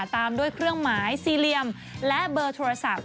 ตามด้วยเครื่องหมายสี่เหลี่ยมและเบอร์โทรศัพท์